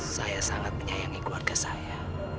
saya sangat menyayangi keluarga saya